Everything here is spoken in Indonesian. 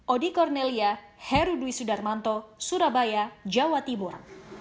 odi kornelia herudwi sudarmanto surabaya jawa timur